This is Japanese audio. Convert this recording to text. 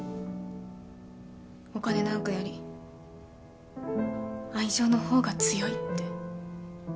お金なんかより愛情のほうが強いって。